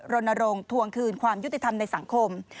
รณรงค์ทวงคืนความยุติธรรมในสังคม